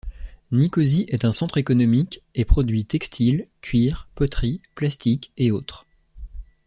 Nicosie est un centre économique et produit textile, cuir, poterie, plastique, et autres.